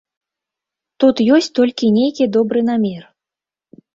Тут ёсць толькі нейкі добры намер.